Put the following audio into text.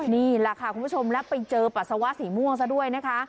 นี่แหละค่ะคุณผู้ชมแล้วไปเจอปัสสาวะสีม่วงซะด้วยนะคะ